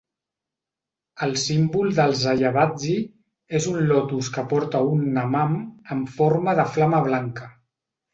El símbol dels Ayyavazhi és un lotus que porta un "Namam" en forma de flama blanca.